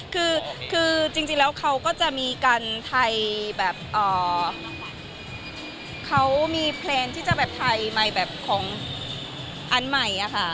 คือจริงแล้วเขาก็จะมีการถ่ายแบบเขามีแพลนที่จะแบบไทยใหม่แบบของอันใหม่อะค่ะ